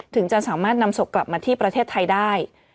ถึงจะสามารถนำศพกลับมาที่ประเทศไทยได้